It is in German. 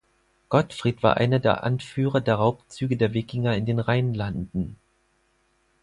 Gottfried war einer der Anführer der Raubzüge der Wikinger in den Rheinlanden.